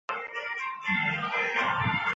鄂西茶藨子为虎耳草科茶藨子属下的一个种。